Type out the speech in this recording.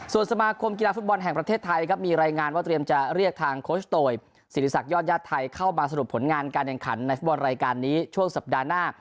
ส่วนสมาคมกีฬาฟุตบอลแห่งประเทศไทยครับมีรายงานว่าเตรียมจะเรียกทางโคชโตยศิริษักยอดญาติไทยเข้ามาสรุปผลงานการแข่งขันในฟุตบอลรายการนี้ช่วงสัปดาห์หน้า